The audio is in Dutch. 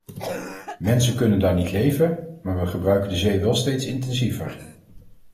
Mensen kunnen daar niet leven, maar we gebruiken de zee wel steeds intensiever.